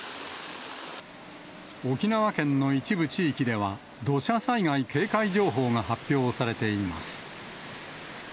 沖縄県の一部地域では、土砂災害警戒情報が発表されています。